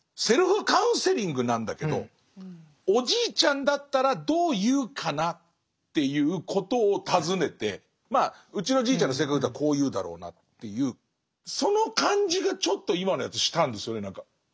セルフカウンセリングなんだけど「おじいちゃんだったらどう言うかな？」っていうことを尋ねてまあうちのじいちゃんの性格だとこう言うだろうなっていうその感じがちょっと今のやつしたんですよね何か。